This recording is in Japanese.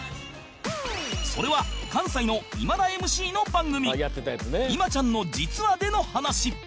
それは関西の今田 ＭＣ の番組『今ちゃんの「実は」』での話